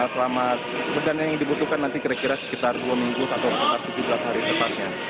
selama berjalan yang dibutuhkan nanti kira kira sekitar dua minggu atau sekitar tujuh belas hari depannya